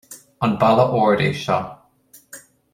An balla ard é seo